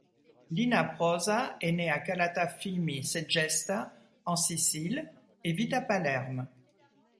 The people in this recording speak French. Lina Prosa est née à à Calatafimi-Segesta en Sicile et vit à Palerme.